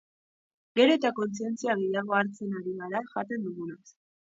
Gero eta kontzientzia gehiago hartzen ari gara jaten dugunaz.